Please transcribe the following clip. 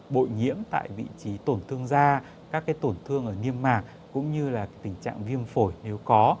bội nhiễm tại vị trí tổn thương da các tổn thương ở niêm mạc cũng như là tình trạng viêm phổi nếu có